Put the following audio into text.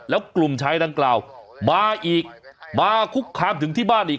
แล้วกลุ่มชายดังกล่าวมาอีกมาคุกคามถึงที่บ้านอีก